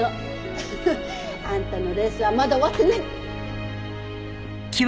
フフフあんたのレースはまだ終わってない！